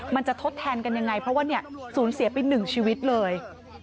มันจะทดแทนกันยังไงเพราะว่าเนี่ยสูญเสียไปหนึ่งชีวิตเลย